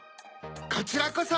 こちらこそ。